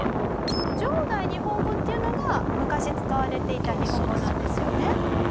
この上代日本語っていうのが昔使われていた日本語なんですよね。